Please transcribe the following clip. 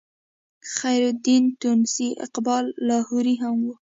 خیرالدین تونسي اقبال لاهوري هم